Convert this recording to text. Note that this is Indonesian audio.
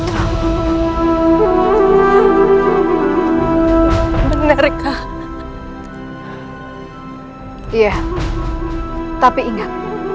jangan salahkan aku